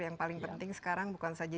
yang paling penting sekarang bukan saja